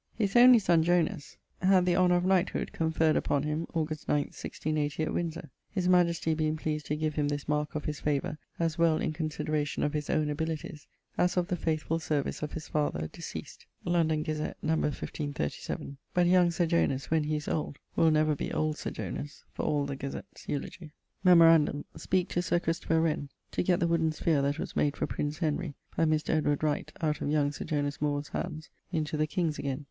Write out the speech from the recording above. His only sonne, Jonas, had the honour of knighthood conferred upon him, August 9, 1680, at Windsor; 'his majestie being pleased to give him this marke of his favour as well in consideration of his owne abilities, as of the faithfull service of his father deceased' (London Gazette, no. 1537) but young Sir Jonas, when he is old, will never be old Sir Jonas, for all the Gazette's elogie. Memorandum: speake to Sir Christopher Wren to gett the wooden sphaere that was made for Prince Henry by Mr. Wright, out of young Sir Jonas Moore's handes, into the king's again.